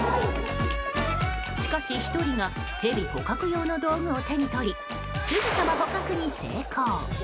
しかし、１人がヘビ捕獲用の道具を手に取りすぐさま捕獲に成功。